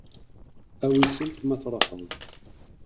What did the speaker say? Awi-tent ma tṛuḥeḍ.